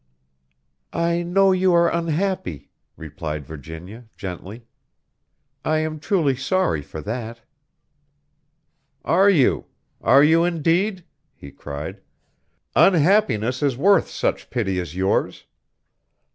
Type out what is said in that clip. "I know you are unhappy," replied Virginia, gently. "I am truly sorry for that." "Are you? Are you, indeed?" he cried. "Unhappiness is worth such pity as yours."